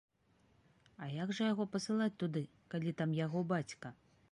А як жа яго пасылаць туды, калі там яго бацька.